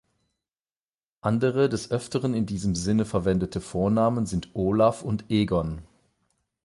Andere des Öfteren in diesem Sinne verwendete Vornamen sind Olaf und Egon.